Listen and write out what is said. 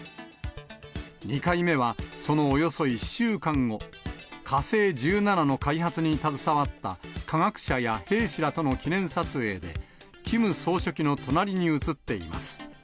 ２回目はそのおよそ１週間後、火星１７の開発に携わった科学者や兵士らとの記念撮影で、キム総書記の隣に写っています。